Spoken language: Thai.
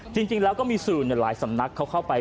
จริงแล้วก็มีสื่อหลายสำนักเขาเข้าไป